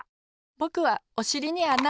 ぼくはおしりにあな！